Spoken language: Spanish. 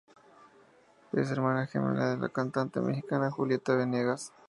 Es hermana gemela de la cantante mexicana Julieta Venegas.